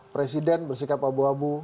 presiden bersikap abu abu